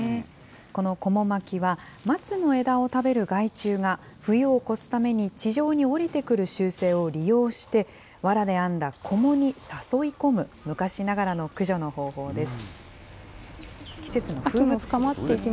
このこも巻きは、松の枝を食べる害虫が冬を越すために地上に降りてくる習性を利用して、わらで編んだこもに誘い込む昔ながらの駆除の方法です。